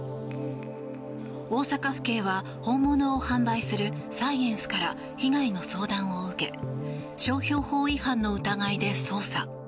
大阪府警は本物を販売するサイエンスから被害の相談を受け商標法違反の疑いで捜査。